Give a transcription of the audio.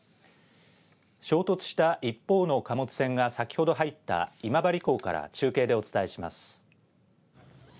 衝突した一方の貨物船が先ほど入った今治港から中継でお伝えします。